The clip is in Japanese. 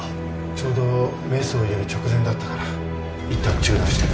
ちょうどメスを入れる直前だったからいったん中断してる。